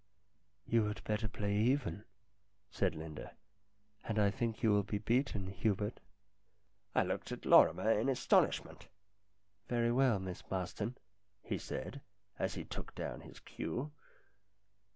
" You had better play even," said Linda. " And I think you will be beaten, Hubert." I looked at Lorrimer in astonishment. "Very well, Miss Marston," he said, as he took down his cue.